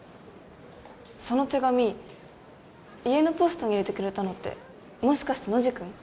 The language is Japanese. その手紙家のポストに入れてくれたのってもしかしてノジ君？